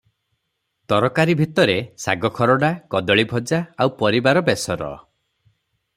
ତରକାରୀ ଭିତରେ ଶାଗ ଖରଡ଼ା, କଦଳୀ ଭଜା, ଆଉ ପରିବାର ବେଶର ।